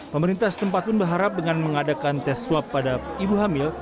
pemerintah setempat pun berharap dengan mengadakan tes swab pada ibu hamil